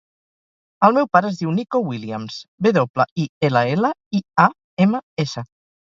El meu pare es diu Niko Williams: ve doble, i, ela, ela, i, a, ema, essa.